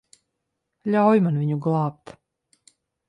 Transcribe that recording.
Ļauj man viņu glābt.